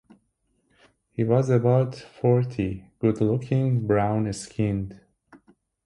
He was about forty, good-looking, brown-skinned.